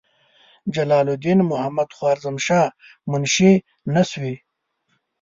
جلال الدین محمدخوارزمشاه منشي نسوي.